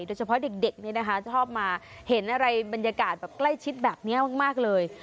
โดยเฉพาะเด็กเด็กนี่นะคะชอบมาเห็นอะไรบรรยากาศแบบใกล้ชิดแบบเนี้ยมากมากเลย